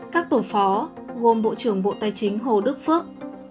các tổ phó gồm bộ trưởng bộ tài chính hồ đức phước